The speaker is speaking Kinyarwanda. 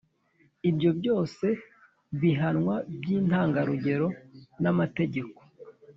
ibyo byose bihanwa by’’intangarugero n’amategeko.